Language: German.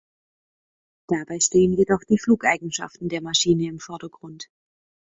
Dabei stehen jedoch die Flugeigenschaften der Maschine im Vordergrund.